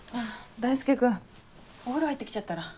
大輔君お風呂入ってきちゃったら？